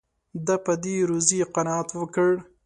ده په دې روزي قناعت وکړ.